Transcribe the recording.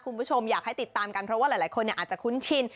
คุณผู้ชมอยากให้ติดตามกันเพราะว่าหลายคนอาจจะคุ้นชิน